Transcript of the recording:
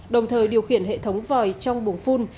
đồng thời điều khiển hệ thống vòi trong buồng phun